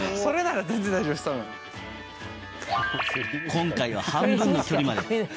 今回は半分の距離まで。